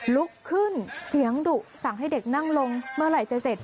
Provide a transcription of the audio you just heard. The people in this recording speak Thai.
ลุกขึ้นเสียงดุสั่งให้เด็กนั่งลงเมื่อไหร่จะเสร็จ